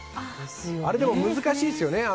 あれ、でも難しいですよね。